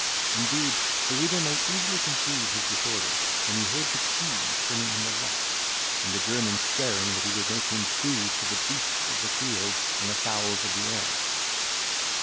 Indeed, the reader may easily conceive his disorder, when he heard the key turning in the lock, and the German swearing that he would make him food for the beasts of the field and the fowls of the air.